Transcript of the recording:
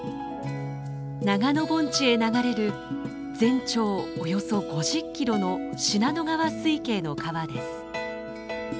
長野盆地へ流れる全長およそ５０キロの信濃川水系の川です。